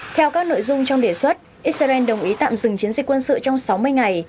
theo các nội dung trong đề xuất israel đồng ý tạm dừng chiến dịch quân sự trong sáu mươi ngày